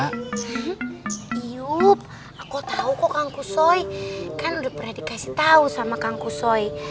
hmm iup aku tau kok kang kusoy kan udah pernah dikasih tau sama kang kusoy